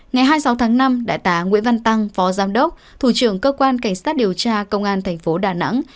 ngày hai mươi sáu tháng năm đại tá nguyễn văn tăng phó giám đốc thủ trưởng cơ quan cảnh sát điều tra công an thành phố đà nẵng